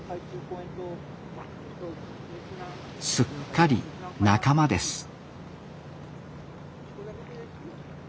すっかり仲間です。